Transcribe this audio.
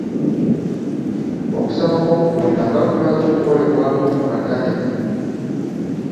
Okusaba kw'okutunda nga kumaze okukolebwako mu katale.